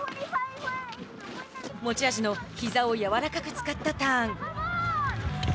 持ち味のひざを柔らかく使ったターン。